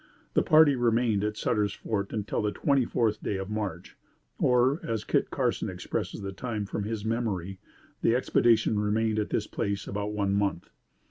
The party remained at Sutter's Fort until the twenty fourth day of March, or as Kit Carson expresses the time from his memory, the expedition remained at this place about one month.